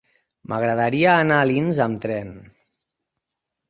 M'agradaria anar a Alins amb tren.